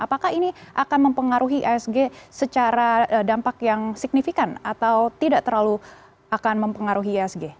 apakah ini akan mempengaruhi ihsg secara dampak yang signifikan atau tidak terlalu akan mempengaruhi ihsg